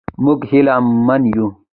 موږ هیله من یو.